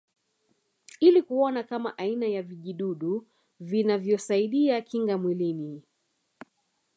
Ili kuona kama aina ya vijidudu vinavyosaidia kinga mwilini